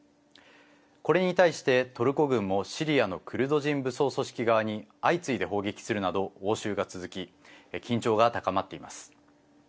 これに対してトルコ軍もシリアのクルド人武装組織側に相次いで砲撃するなど応酬が続き緊張が高まっています。